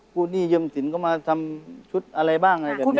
หนี้ยืมสินเข้ามาทำชุดอะไรบ้างอะไรแบบนี้